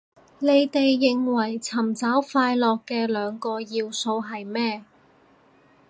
你哋認為尋找快樂嘅兩個要素係咩